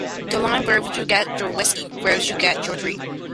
The line Where'd you get your whiskey, where'd you get your dram?